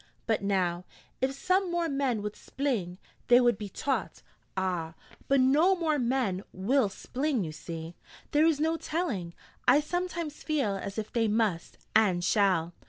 But now, if some more men would spling, they would be taught ' 'Ah, but no more men will spling, you see !' 'There is no telling. I sometimes feel as if they must, and shall.